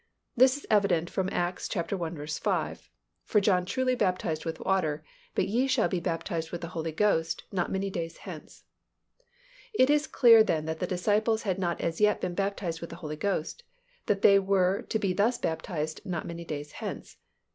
This is evident from Acts i. 5, "For John truly baptized with water; but ye shall be baptized with the Holy Ghost not many days hence." It is clear then that the disciples had not as yet been baptized with the Holy Ghost, that they were to be thus baptized not many days hence.